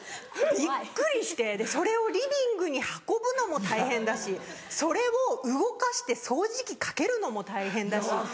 びっくりしてでそれをリビングに運ぶのも大変だしそれを動かして掃除機かけるのも大変だし。